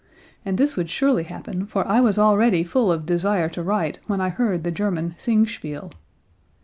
And this would surely happen for I was already full of desire to write when I heard the German Singspiel."